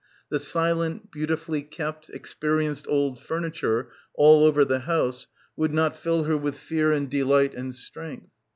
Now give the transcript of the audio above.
The silent, beautifully kept, ex perienced old furniture all over the house would not fill her with fear and delight and strength.